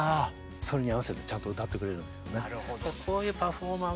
それに合わせてちゃんと歌ってくれるんですよね。